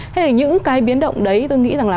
thế những cái biến động đấy tôi nghĩ là